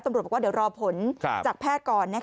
ตำรวจบอกว่าเดี๋ยวรอผลจากแพทย์ก่อน